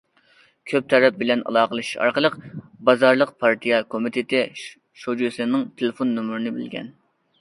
كۆپ تەرەپ بىلەن ئالاقىلىشىش ئارقىلىق، بازارلىق پارتىيە كومىتېتى شۇجىسىنىڭ تېلېفون نومۇرىنى بىلگەن.